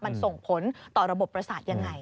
มันส่งผลต่อระบบประสาทยังไง